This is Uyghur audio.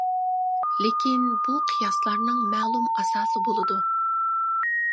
لېكىن بۇ قىياسلارنىڭ مەلۇم ئاساسى بولىدۇ.